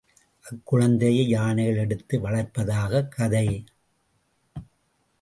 அக்குழந்தையை யானைகள் எடுத்து வளர்ப்பதாக கதை.